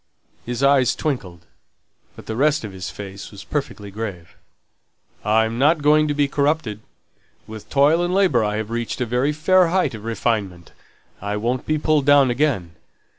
His eyes twinkled, but the rest of his face was perfectly grave. "I'm not going to be corrupted. With toil and labour I've reached a very fair height of refinement. I won't be pulled down again."